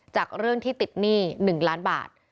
จากเรื่องที่ติดหนี้๑ล้านบาท